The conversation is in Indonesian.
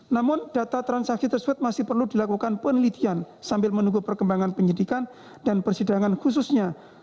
namun data transaksi tersebut masih perlu dilakukan penelitian sambil menunggu perkembangan penyidikan dan persidangan khususnya